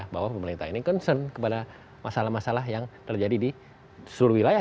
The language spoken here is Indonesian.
bahwa pemerintah ini concern kepada masalah masalah yang terjadi di seluruh wilayah